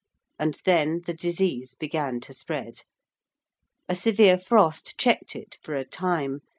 And then the disease began to spread. A severe frost checked it for a time.